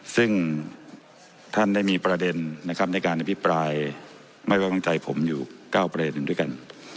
ซึ่งท่านได้มีประเด็นนะครับในการอภิปรายไม่ไว้วางใจผมอยู่๙ประเด็นหนึ่งด้วยกัน